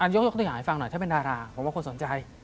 ยกตัวอย่างให้ฟังหน่อยถ้าเป็นดาราผมว่าคนสนใจ